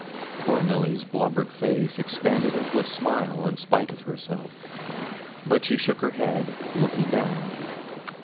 Poor Milly's blubbered face expanded into a smile in spite of herself; but she shook her head, looking down.